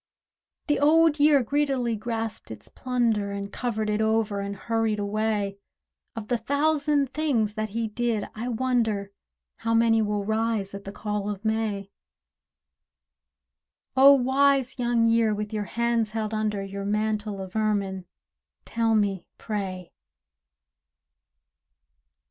The Old Year greedily grasped his plunder, And covered it over and hurried away: Of the thousand things that he did, I wonder How many will rise at the call of May? O wise Young Year, with your hands held under Your mantle of ermine, tell me, pray!